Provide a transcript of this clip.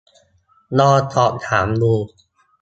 ลองสอบถามดู